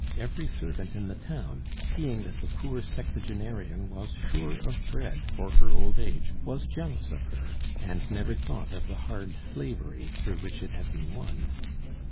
Every servant in the town, seeing that the poor sexagenarian was sure of bread for her old age, was jealous of her, and never thought of the hard slavery through which it had been won.